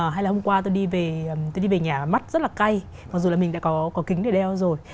hay là hôm qua tôi đi tôi đi về nhà mắt rất là cay mặc dù là mình đã có kính để đeo rồi